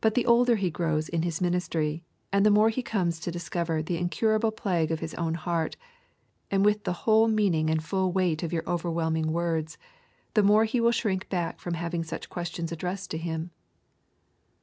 But the older he grows in his ministry, and the more he comes to discover the incurable plague of his own heart, and with that the whole meaning and full weight of your overwhelming words, the more will he shrink back from having such questions addressed to him.